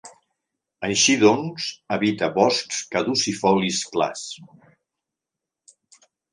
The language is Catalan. Així doncs, habita boscs caducifolis clars.